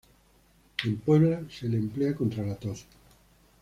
En Puebla se le emplea contra la tos.